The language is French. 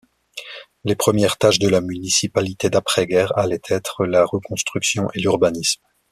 Les premières tâches de la municipalité d'après-guerre allaient être la reconstruction et l'urbanisme.